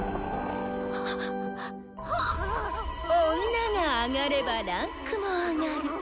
女が上がれば位階も上がる。